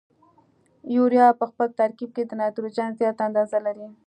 یوریا په خپل ترکیب کې د نایتروجن زیاته اندازه لري.